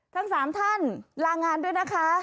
ทั้งสามท่านลาการด้วยนะคะ